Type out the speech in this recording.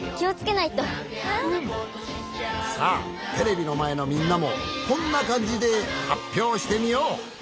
さあテレビのまえのみんなもこんなかんじではっぴょうしてみよう。